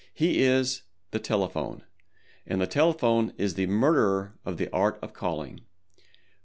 He is the Telephone, and the Telephone is the murderer of the Art of Calling.